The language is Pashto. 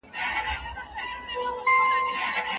ځیني استادان یوازي د ځان ښودني لپاره د لارښود دنده اخلي.